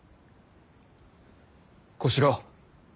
小四郎。